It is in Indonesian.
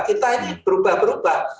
kita ini berubah berubah